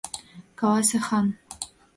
Каласе, хан!